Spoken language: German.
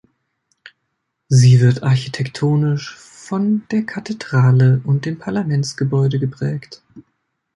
Sie wird architektonisch von der Kathedrale und dem Parlamentsgebäude geprägt.